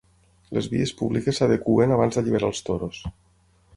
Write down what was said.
Les vies públiques s'adeqüen abans d'alliberar els toros.